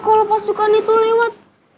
kalau pasukan itu lewat